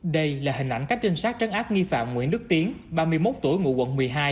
đây là hình ảnh các trinh sát trấn áp nghi phạm nguyễn đức tiến ba mươi một tuổi ngụ quận một mươi hai